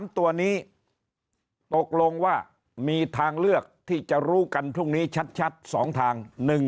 ๓ตัวนี้ตกลงว่ามีทางเลือกที่จะรู้กันพรุ่งนี้ชัด๒ทาง